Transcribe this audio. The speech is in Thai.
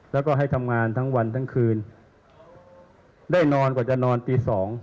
แล้วก็ให้ทำงานทั้งวันทั้งคืนได้นอนกว่าจะนอนตี๒